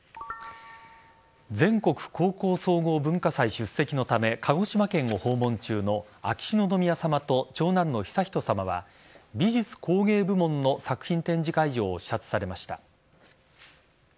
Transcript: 全国高校総合文化祭出席のため鹿児島県を訪問中の秋篠宮さまと長男の悠仁さまは美術・工芸部門の作品展示会場を視察されました。